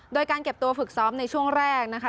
โดยการเก็บตัวฝึกซ้อมในช่วงแรกนะคะ